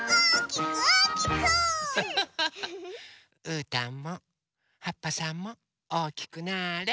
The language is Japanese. うーたんもはっぱさんもおおきくなぁれ。